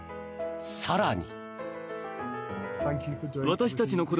更に。